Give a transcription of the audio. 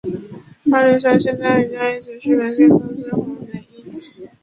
二磷酸腺苷与钙离子是酶的变构增活因子。